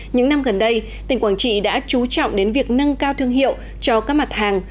những năm gần đây tỉnh quảng trị đã trú trọng đến việc nâng cao thương hiệu cho các mặt hàng